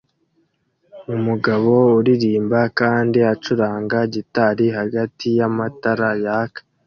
Umugabo uririmba kandi acuranga gitari hagati yamatara yaka